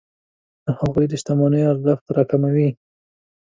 د هغوی د شتمنیو ارزښت راکموي.